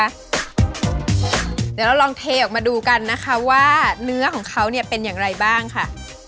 เดี๋ยวเราลองเทออกมาดูกันนะคะว่าเนื้อของเขาเนี่ยเป็นอย่างไรบ้างค่ะ